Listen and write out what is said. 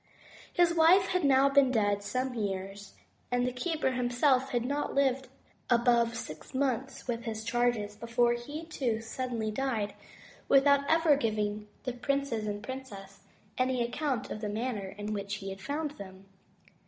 His wife had now been dead some years, and the keeper himself had not lived above six months with his charges, before he, too, suddenly died without 58 THE TREASURE CHEST ever giving the princes and the princess any account of the man ner in which he had found them.